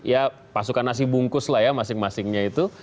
ya pasukan nasi bungkus lah ya masing masingnya itu